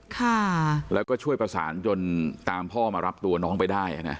ค่ะแล้วก็ช่วยประสานจนตามพ่อมารับตัวน้องไปได้อ่ะนะ